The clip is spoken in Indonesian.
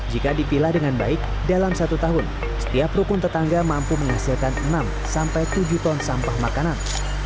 jika dipilah dengan baik dalam satu tahun setiap rukun tetangga mampu menghasilkan enam sampai tujuh ton sampah makanan